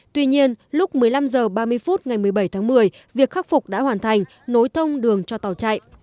tuy nhiên lúc một mươi năm h ba mươi phút ngày một mươi bảy tháng một mươi việc khắc phục đã hoàn thành nối thông đường cho tàu chạy